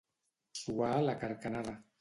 Suar la carcanada.